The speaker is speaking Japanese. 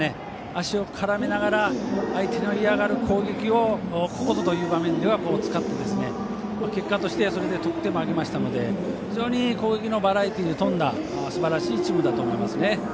足を絡めながら相手の嫌がる攻撃をここぞという場面で使って結果としてそれで得点も挙げましたので攻撃のバラエティーに富んだすばらしいチームだと思いますね。